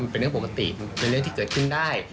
เป็นเรื่องปกติเป็นเรื่องที่เกิดขึ้นได้